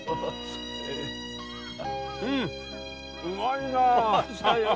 うまいなぁ。